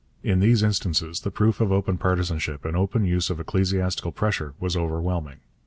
In these instances the proof of open partisanship and open use of ecclesiastical pressure was overwhelming.